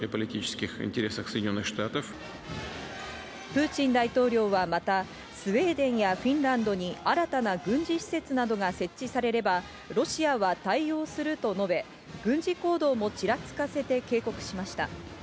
プーチン大統領はまた、スウェーデンやフィンランドに新たな軍事施設などが設置されれば、ロシアは対応すると述べ、軍事行動もちらつかせて警告しました。